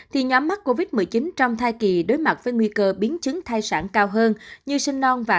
thì nhóm mắc covid một mươi chín trong thai kỳ đối mặt với nguy cơ biến chứng thai sản cao hơn như sinh non và